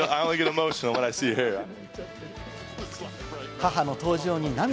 母の登場に涙。